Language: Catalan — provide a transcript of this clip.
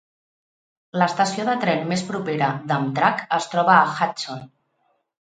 L'estació de tren més propera d'Amtrak es troba a Hudson.